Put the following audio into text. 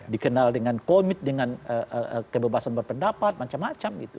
dikenal dengan komit dengan kebebasan berpendapat macam macam gitu